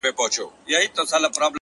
سپوږمۍ په لپه کي هغې په تماسه راوړې؛